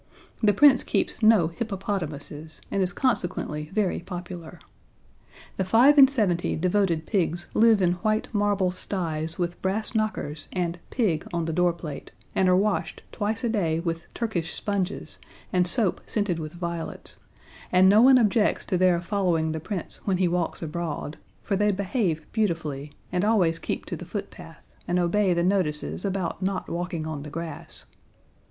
The Prince keeps no hippopotamuses, and is consequently very popular. The five and seventy devoted pigs live in white marble sties with brass knockers and Pig on the doorplate, and are washed twice a day with Turkish sponges and soap scented with violets, and no one objects to their following the Prince when he walks abroad, for they behave beautifully, and always keep to the footpath, and obey the notices about not walking on the grass.